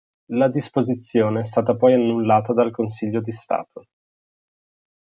La disposizione è stata poi annullata dal Consiglio di Stato.